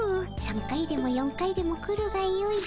３回でも４回でも来るがよい。